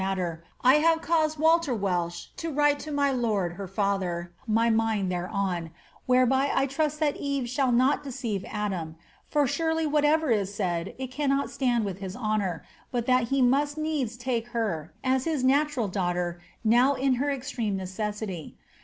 matter, I hare caused Walter Welche * to write to mjr lord (her fiuher) mj mind thereon, whereby I trust that Eve shall not dereire Adam ; for tarely whatever is said, it cannot stand with his honour, but that be most needs take her, hit natural daughter,* now in her extreme necessitj.